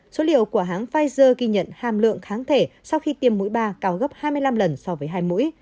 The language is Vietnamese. số liệu của hãng pfizer ghi nhận hàm lượng kháng thể sau khi tiêm mũi ba cao gấp hai mươi năm lần so với hai mũi